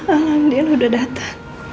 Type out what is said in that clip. alhamdulillah udah datang